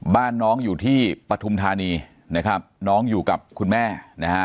บ้านน้องอยู่ที่ปฐุมธานีนะครับน้องอยู่กับคุณแม่นะฮะ